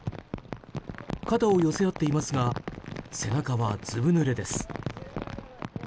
肩を寄せ合っていますが背中はずぶぬれです。